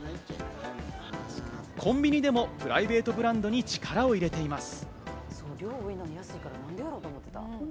コンビニでもプライベートブランドに力を入れています。